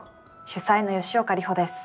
主宰の吉岡里帆です。